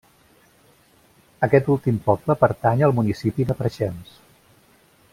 Aquest últim poble pertany al municipi de Preixens.